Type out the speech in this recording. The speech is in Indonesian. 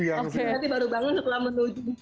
nanti baru bangun setelah menuju kore